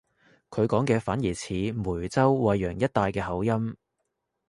佢講嘅反而似梅州惠陽一帶嘅口音